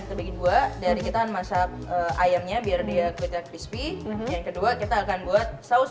terbagi dua dari kita masak ayamnya biar dia kulitnya crispy yang kedua kita akan buat saus